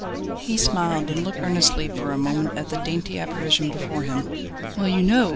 He smiled, and looked earnestly for a moment at the dainty apparition before him. "Well, you know!"